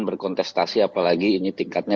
berkontestasi apalagi ini tingkatnya